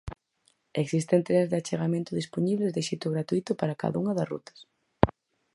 Existen trens de achegamento dispoñibles de xeito gratuíto para cada unha das rutas.